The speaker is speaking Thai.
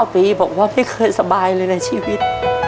ปีบอกว่าไม่เคยสบายเลยในชีวิต